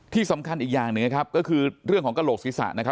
ที่สำคัญอีกอย่างหนึ่งนะครับก็คือเรื่องของกระโหลกศีรษะนะครับ